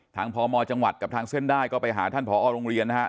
พมจังหวัดกับทางเส้นได้ก็ไปหาท่านผอโรงเรียนนะฮะ